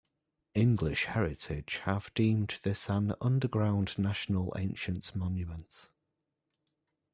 English Heritage have deemed this an underground national ancient monument.